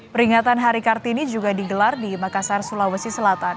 peringatan hari kartini juga digelar di makassar sulawesi selatan